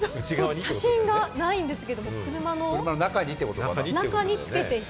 写真がないんですけれども、車の中につけていた。